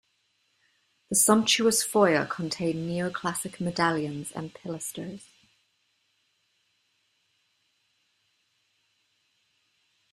The sumptuous foyer contained neoclassic medallions and pilasters.